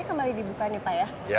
kembali dibuka nih pak ya